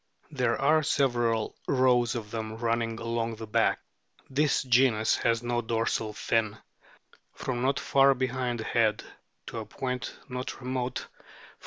* There are several rows of them running along the back (this genus has no dorsal fin), from not far behind the head to a point not remote from the *" Walthiere," in Denkschr.